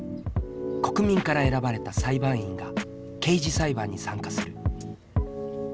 国民から選ばれた裁判員が刑事裁判に参加する。